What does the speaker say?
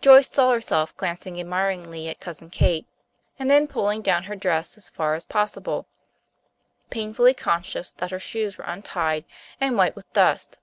Joyce saw herself glancing admiringly at Cousin Kate, and then pulling down her dress as far as possible, painfully conscious that her shoes were untied, and white with dust.